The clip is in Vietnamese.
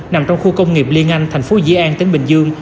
nằm trong khu công nghiệp liên anh thành phố dĩ an tỉnh bình dương